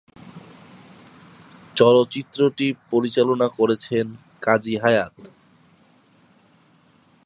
চলচ্চিত্রটি পরিচালনা করেছেন কাজী হায়াৎ।